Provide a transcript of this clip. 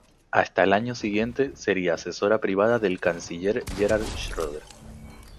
Hasta el año siguiente sería asesora privada del canciller Gerhard Schröder.